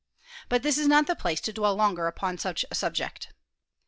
But this is not the place to dwell longer upon such a subject.